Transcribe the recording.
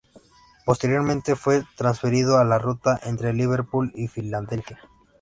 Posteriormente fue transferido a la ruta entre Liverpool y Filadelfia.